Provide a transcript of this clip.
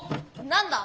何だ？